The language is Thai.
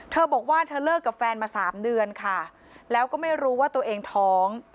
เธอบอกว่าเธอเลิกกับแฟนมาสามเดือนค่ะแล้วก็ไม่รู้ว่าตัวเองท้อง